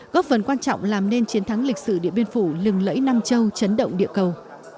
góp phần quan trọng làm nên chiến thắng lịch sử điện biên phủ lừng lẫy nam châu chấn động địa cầu